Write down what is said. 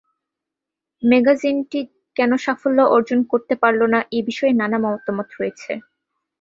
ম্যাগাজিনটি কেন সাফল্য অর্জন করতে পারল না, এ বিষয়ে নানা মতামত আছে।